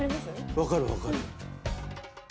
分かる分かる。